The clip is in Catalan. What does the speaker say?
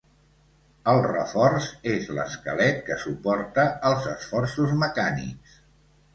El reforç és l'esquelet que suporta els esforços mecànics.